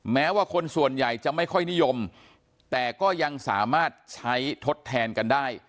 แม้ว่าคนส่วนใหญ่จะไม่ค่อยนิยมแต่ก็ยังสามารถใช้ทดแทนกันได้